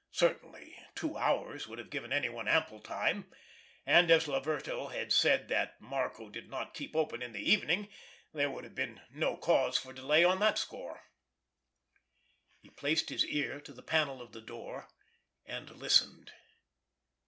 Certainly two hours would have given any one ample time, and as Laverto had said that Marco did not keep open in the evening there would have been no cause for delay on that score. He placed his ear to the panel of the door, and listened.